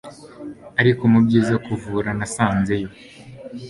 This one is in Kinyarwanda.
Ariko mubyiza kuvura nasanzeyo